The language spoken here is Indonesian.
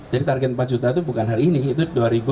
jadi target empat juta itu bukan hari ini itu dua ribu tiga puluh